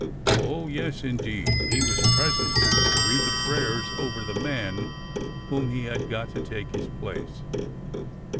Oh, yes, indeed, he was present to read the prayers over the man whom he had got to take his place.